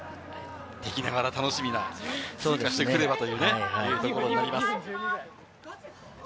敵ながら楽しみな、通過してくればということになります。